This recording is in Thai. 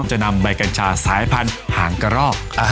จะนำใบกัญชาสายพันธุ์หางกระรอก